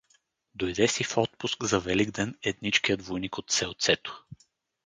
Дойде си в отпуск за Великден едничкият войник от селцето.